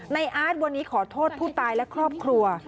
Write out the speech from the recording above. อาร์ตวันนี้ขอโทษผู้ตายและครอบครัว